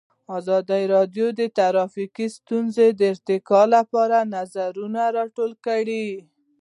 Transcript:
ازادي راډیو د ټرافیکي ستونزې د ارتقا لپاره نظرونه راټول کړي.